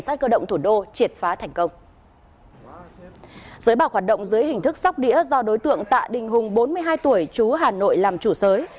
giới bạc hoạt động dưới hình thức sóc đĩa do đối tượng tạ đình hùng bốn mươi hai tuổi chú hà nội làm chủ sới